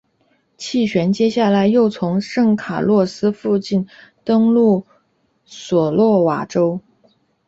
气旋接下来又从圣卡洛斯附近登陆索诺拉州。